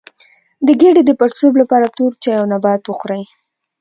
د ګیډې د پړسوب لپاره تور چای او نبات وخورئ